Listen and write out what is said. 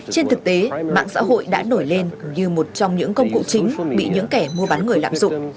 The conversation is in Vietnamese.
trên thực tế mạng xã hội đã nổi lên như một trong những công cụ chính bị những kẻ mua bán người lạm dụng